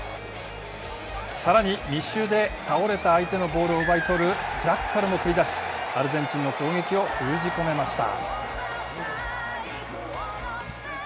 さらに、密集で倒れた相手のボールを奪い取るジャッカルも繰り出しアルゼンチンの攻撃を封じ込めました。